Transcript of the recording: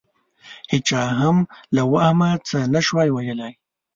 هېچا هم له وهمه څه نه شوای ویلای.